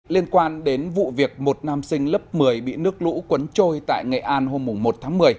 liên quan đến vụ việc một nam sinh lớp một mươi bị nước lũ cuốn trôi tại nghệ an hôm một tháng một mươi